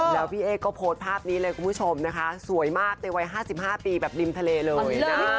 แล้วพี่เอ๊ก็โพสต์ภาพนี้เลยคุณผู้ชมนะคะสวยมากในวัย๕๕ปีแบบริมทะเลเลยนะ